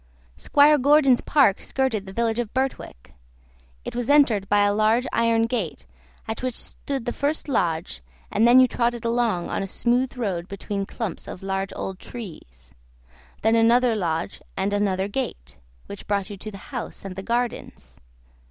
Squire Gordon's park skirted the village of Birtwick. It was entered by a large iron gate, at which stood the first lodge, and then you trotted along on a smooth road between clumps of large old trees; then another lodge and another gate, which brought you to the house and the gardens.